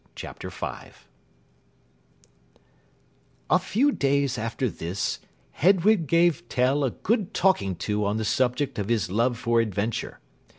CHAPTER V A few days after this, Hedwig gave Tell a good talking to on the subject of his love for adventure.